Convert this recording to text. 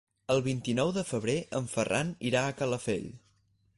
El vint-i-nou de febrer en Ferran irà a Calafell.